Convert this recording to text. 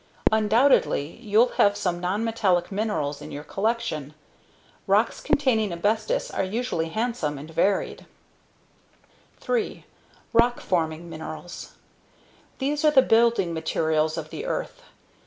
Undoubtedly, you'll have some nonmetallic minerals in your collection. Rocks containing asbestos are especially handsome and varied. 3. ROCK FORMING MINERALS. These are the building materials of the earth.